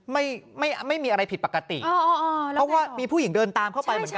ไม่ไม่ไม่มีอะไรผิดปกติอ๋อเพราะว่ามีผู้หญิงเดินตามเข้าไปเหมือนกัน